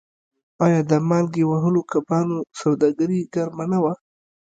آیا د مالګې وهلو کبانو سوداګري ګرمه نه وه؟